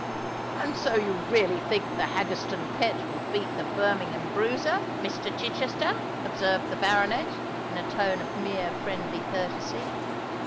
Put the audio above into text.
"And so you really think the Haggerstone Pet will beat the Birmingham Bruiser, Mr. Chichester?" observed the baronet, in a tone of mere friendly courtesy.